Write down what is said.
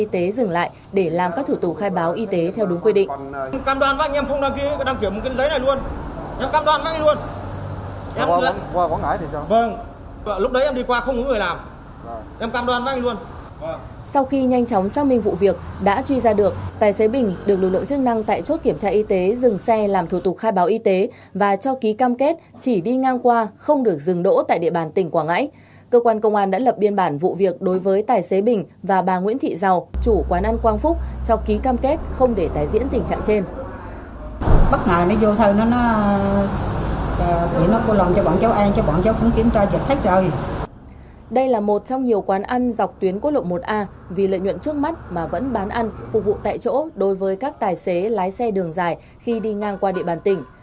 trong nhiều quán ăn dọc tuyến quốc lộ một a vì lợi nhuận trước mắt mà vẫn bán ăn phục vụ tại chỗ đối với các tài xế lái xe đường dài khi đi ngang qua địa bàn tỉnh